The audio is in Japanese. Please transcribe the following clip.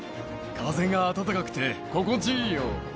風が暖かくて心地いいよ。